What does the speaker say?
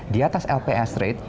di atas lps rate